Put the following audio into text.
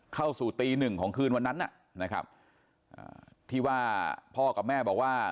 เข้าสู่ตีหนึ่งของคืนวันนั้นนะครับที่ว่าพ่อกับแม่บอกว่า